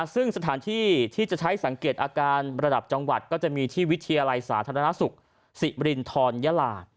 ซึ่งสถานที่ที่จะใช้สังเกตอาการระดับจังหวัดก็จะมีที่วิทยาลัยสาธารณสุขสิมรินทรยาลา